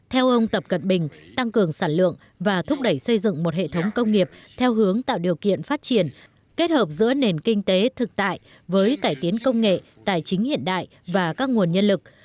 theo ông tập cận bình tăng cường sản lượng và thúc đẩy xây dựng một hệ thống công nghiệp theo hướng tạo điều kiện phát triển kết hợp giữa nền kinh tế thực tại với cải tiến công nghệ tài chính hiện đại và các nguồn nhân lực